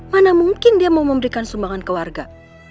mana mungkin dia mau memberikan sumbangan ke warga